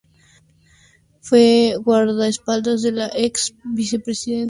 Fue guardaespaldas del ex vicepresidente del Barcelona Sporting Club, Alfonso Harb.